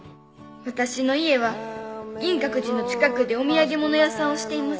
「私の家は銀閣寺の近くでお土産物屋さんをしています」